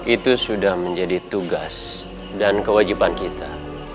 itu sudah menjadi tugas dan kewajiban kita